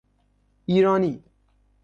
ایرانی